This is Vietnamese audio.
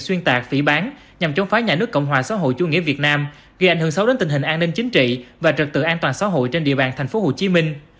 xuyên tạc phỉ bán nhằm chống phá nhà nước cộng hòa xã hội chủ nghĩa việt nam gây ảnh hưởng xấu đến tình hình an ninh chính trị và trật tự an toàn xã hội trên địa bàn thành phố hồ chí minh